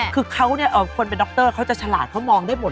คือเขาเนี่ยคนเป็นดรเขาจะฉลาดเขามองได้หมด